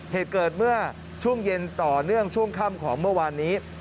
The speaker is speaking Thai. เหตุเกิดเมื่อช่วงเย็นต่อเนื่องช่วงค่ำของเมื่อวานนี้